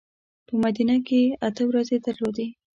په مدینه کې اته ورځې درلودې.